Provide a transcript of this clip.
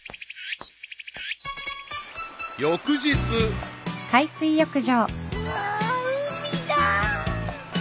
［翌日］うわ海だ！